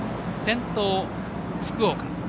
先頭、福岡。